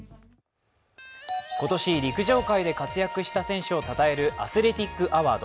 今年、陸上界で活躍した選手をたたえるアスレティック・アワード。